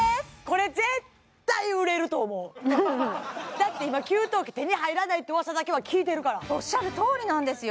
だって今給湯器手に入らないって噂だけは聞いてるからおっしゃるとおりなんですよ